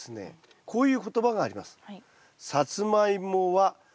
こういう言葉があります。